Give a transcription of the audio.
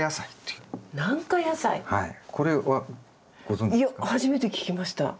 いや初めて聞きました。